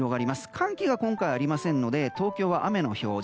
寒気が今回ありませんので東京は雨の表示。